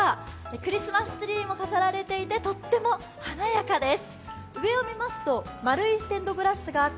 クリスマスツリーも飾られていて、とっても華やかです。